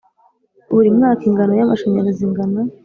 buri mwaka ingano y’amashanyarazi ingana